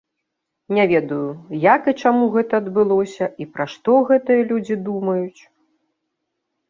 Не ведаю, як і чаму гэта адбылося і пра што гэтыя людзі думаюць.